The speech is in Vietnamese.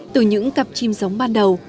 từ những cặp chim giống ban đầu